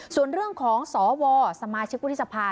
ส่วนเรื่องของสวสมาชิกวุฒิสภา